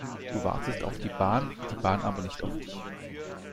Du wartest auf die Bahn, die Bahn aber nicht auf dich.